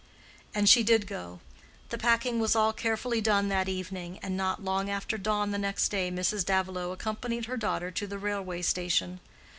And she did go. The packing was all carefully done that evening, and not long after dawn the next day Mrs. Davilow accompanied her daughter to the railway station.